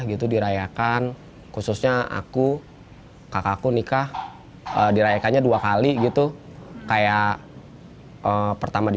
gitu dirayakan khususnya aku kakak aku nikah dirayakannya dua kali gitu kayak pertama di